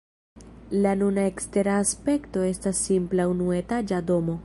La nuna ekstera aspekto estas simpla unuetaĝa domo.